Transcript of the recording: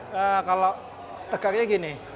nah kalau tegangnya gini